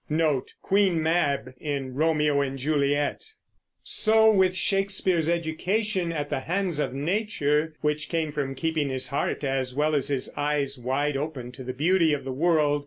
So with Shakespeare's education at the hands of Nature, which came from keeping his heart as well as his eyes wide open to the beauty of the world.